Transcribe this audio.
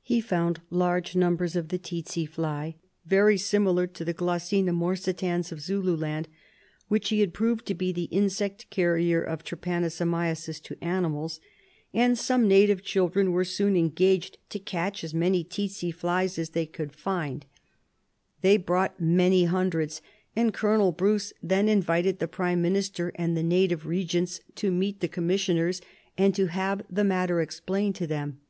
He found large numbers of the tsetse fly, very similar to the Glossina morsitans of Zululand, which he had proved to be the insect carrier of trypanoso miasis to animals, and some native children were soon engaged to catch as many tsetse flies as they could find. SLEEPING SICKNESS 31 They brought many hundreds, and Colonel Bruce then in vited the Prime Minister and the native Kegents to meet the Commission and to have the matter explained to them.